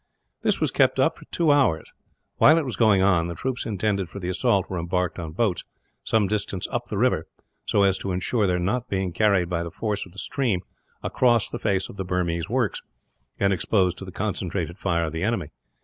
This was kept up for two hours. While it was going on, the troops intended for the assault were embarked in boats, some distance up the river, so as to ensure their not being carried by the force of the stream across the face of the Burmese works, and exposed to the concentrated fire of the enemy.